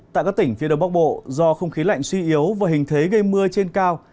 tại các tỉnh phía đông bắc bộ do không khí lạnh suy yếu và hình thế gây mưa trên cao